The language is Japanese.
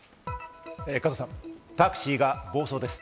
加藤さん、タクシーが暴走です。